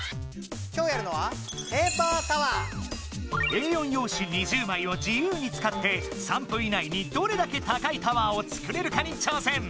今日やるのはＡ４用紙２０枚を自由に使って３分以内にどれだけ高いタワーを作れるかに挑戦！